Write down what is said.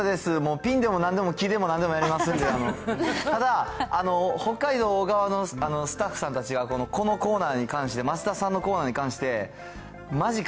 ピンでもなんでも木でもなんでもやりますんで、ただ、北海道側のスタッフさんたちが、このコーナーに関して、増田さんのコーナーに関して、まじか？